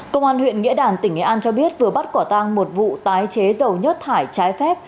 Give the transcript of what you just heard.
công an huyện nghĩa đàn tỉnh nghệ an cho biết vừa bắt quả tang một vụ tái chế dầu nhất thải trái phép